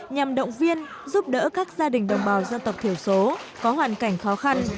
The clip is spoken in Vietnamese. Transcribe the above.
nhằm động viên giúp đỡ các gia đình đồng bào dân tộc thiểu số có hoàn cảnh khó khăn